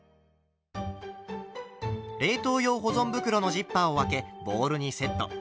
冷凍用保存袋のジッパーを開けボウルにセット。